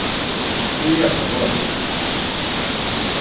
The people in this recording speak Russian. Приехал, вот он.